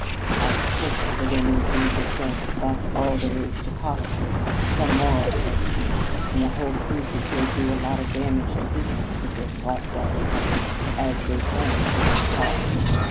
Positively, the women seem to think that's all there is to politics some moral question; and the whole truth is they'd do a lot of damage to business with their slap dash methods, as they'd learn to their cost.